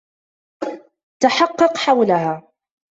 تحقق حولها.